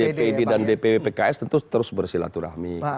ya antara dpd dan dpp pks tentu terus bersilaturahmi